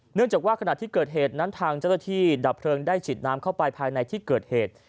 เนื่องจากว่าขณะที่เกิดเหตุนั้นทางเจ้าหน้าที่ดับเพลิงได้ฉีดน้ำเข้าไปภายในที่เกิดเหตุ